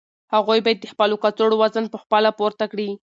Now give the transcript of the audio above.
هغوی باید د خپلو کڅوړو وزن په خپله پورته کړي.